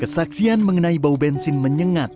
kesaksian mengenai bau bensin menyengat